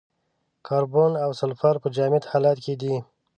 کاربن او سلفر په جامد حالت کې دي.